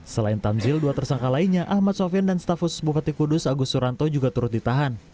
selain tanzil dua tersangka lainnya ahmad sofian dan stafus bupati kudus agus suranto juga turut ditahan